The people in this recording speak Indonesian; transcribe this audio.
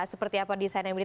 seperti apa desainnya windy